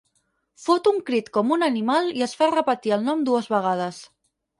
Fot un crit com un animal i es fa repetir el nom dues vegades.